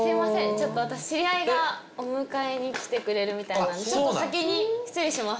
ちょっと私知り合いがお迎えに来てくれるみたいなんで先に失礼します